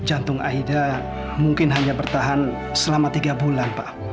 jantung aida mungkin hanya bertahan selama tiga bulan pak